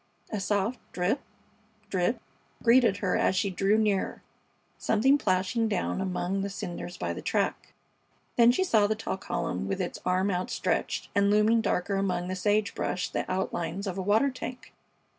A soft drip, drip greeted her as she drew nearer; something plashing down among the cinders by the track. Then she saw the tall column with its arm outstretched, and looming darker among the sage brush the outlines of a water tank.